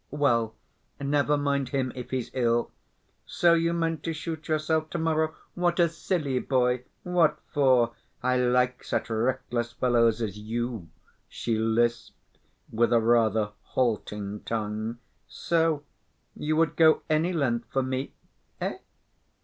"Well, never mind him, if he's ill. So you meant to shoot yourself to‐ morrow! What a silly boy! What for? I like such reckless fellows as you," she lisped, with a rather halting tongue. "So you would go any length for me, eh?